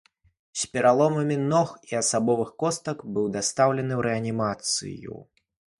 З пераломамі ног і асабовых костак быў дастаўлены ў рэанімацыю.